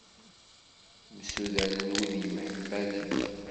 Msudanen wid yemḥemmalen.